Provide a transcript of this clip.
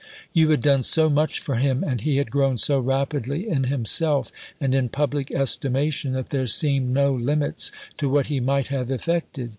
You had done so much for him and he had grown so rapidly in himself and in public estimation that there seemed no limits to what he might have effected.